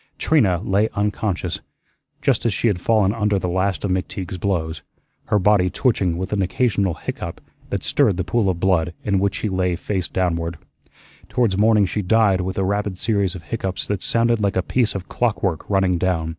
Trina lay unconscious, just as she had fallen under the last of McTeague's blows, her body twitching with an occasional hiccough that stirred the pool of blood in which she lay face downward. Towards morning she died with a rapid series of hiccoughs that sounded like a piece of clockwork running down.